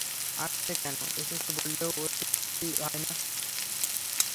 আসছে কেন, এসেছে বললেও অত্যুক্তি হয় না।